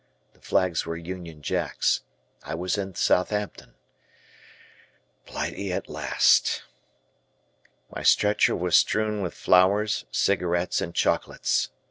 The flags were Union Jacks, I was in Southampton. Blighty at last. My stretcher was strewn with flowers, cigarettes, and chocolates.